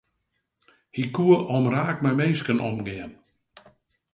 Hy koe omraak mei minsken omgean.